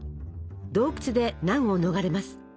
洞窟で難を逃れます。